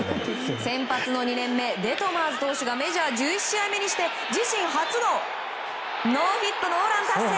先発の２年目デトマーズ投手がメジャー１１試合目にして自身初のノーヒットノーラン達成。